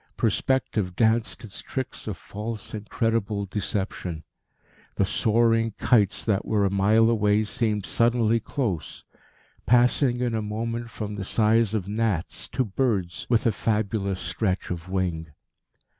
Perspective danced its tricks of false, incredible deception. The soaring kites that were a mile away seemed suddenly close, passing in a moment from the size of gnats to birds with a fabulous stretch of wing.